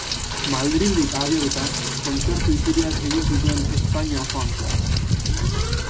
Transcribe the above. Madrildik abiatuta, kontzertu-itzuliak egin zituen Espainia osoan zehar.